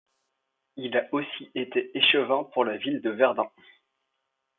Il a aussi été échevin pour la ville de Verdun.